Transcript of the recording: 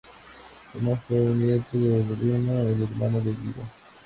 Tomás fue un nieto de Rubino, el hermano de Guido.